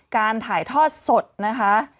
การถ่ายทอดสดนะคะ